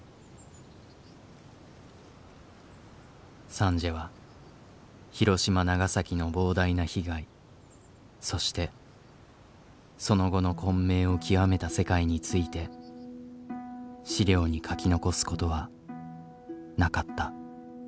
サンジエは広島長崎の膨大な被害そしてその後の混迷を極めた世界について資料に書き残すことはなかった。